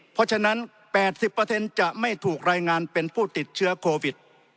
เพราะฉะนั้น๘๐จะไม่ถูกรายงานเป็นผู้ติดเชื้อโควิด